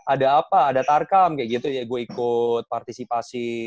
ada apa ada tarkam kayak gitu ya gue ikut partisipasi